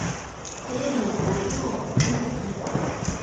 テレビに高機能は求めてない